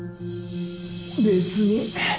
別に。